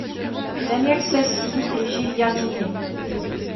Daniel Sassi et Gilles Gardiennet.